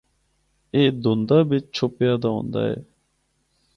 اے دُھندا بچ چُھپیا دا ہوندا ہے۔